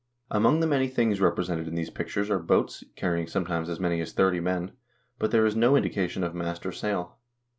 Among the many things represented in these pictures are boats, carrying sometimes as many as thirty men, but there is no indication of mast or sail.